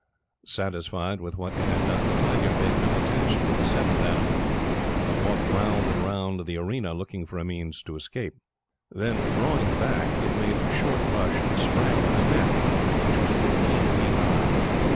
Satisfied with what it had done, the tiger paid no attention to the seventh animal, but walked round and round the arena, looking for a means of escape. Then, drawing back, it made a short rush and sprang at the net, which was fourteen feet high.